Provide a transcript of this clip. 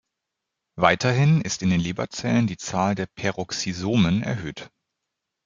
Weiterhin ist in den Leberzellen die Zahl der Peroxisomen erhöht.